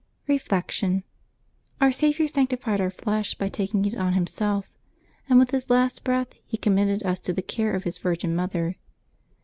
Reflection. — Our Saviour sanctified our flesh by taking it on Himself, and with His last breath He commended us to the care of His Virgin Mother.